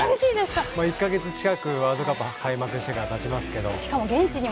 １か月近くワールドカップ開幕してからたちますけど。